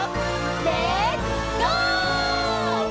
「レッツ・ゴー！」